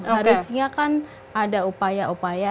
harusnya kan ada upaya upaya